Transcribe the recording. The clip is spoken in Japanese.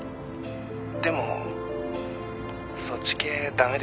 「でもそっち系駄目ですか？」